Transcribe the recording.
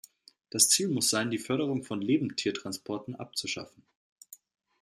Das Ziel muss sein, die Förderung von Lebendtiertransporten abzuschaffen.